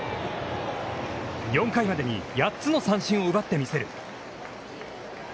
４回までに、８つの三振を奪ってみせる。